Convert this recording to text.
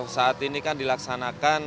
saat ini kan dilaksanakan